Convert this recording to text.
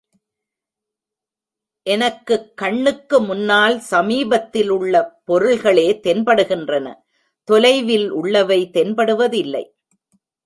எனக்குக் கண்ணுக்கு முன்னால் சமீபத்திலுள்ள பொருள்களே தென்படுகின்றன தொலைவிலுள்ளவை தென்படுவதில்லை.